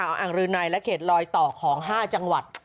อ่างรืนัยและเขตลอยต่อของ๕จังหวัด